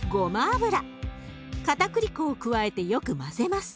かたくり粉を加えてよく混ぜます。